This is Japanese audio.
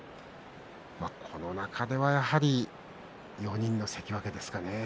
この中では、やはり４人の関脇ですかね。